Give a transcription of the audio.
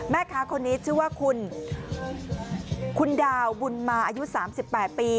แม่ค้าคนนี้ชื่อว่าคุณคุณดาวบุญมาอายุ๓๘ปี